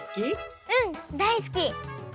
うんだいすき！